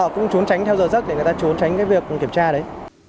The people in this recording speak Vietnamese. cũng trốn tránh theo giờ giấc để người ta trốn tránh cái việc kiểm tra đấy